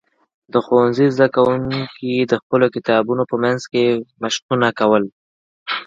د ښوونځي زده کوونکي د خپلو کتابونو په منځ کې مشقونه کول.